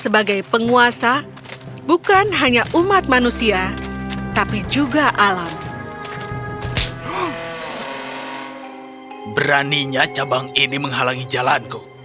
beraninya cabang ini menghalangi jalanku